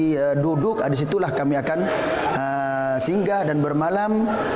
diduduk disitulah kami akan singgah dan bermalam